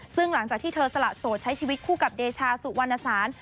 ซึ่งหลังจากที่เธอสละโสดใช้ชีวิตคู่กับเดชาสุวรรณสาร